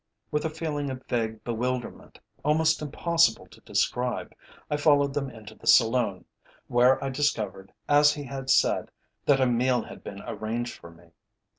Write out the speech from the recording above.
With a feeling of vague bewilderment, almost impossible to describe, I followed them into the saloon, where I discovered, as he had said, that a meal had been arranged for me.